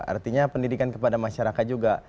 artinya pendidikan kepada masyarakat juga